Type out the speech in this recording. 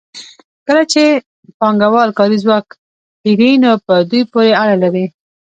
کله چې پانګوال کاري ځواک پېري نو په دوی پورې اړه لري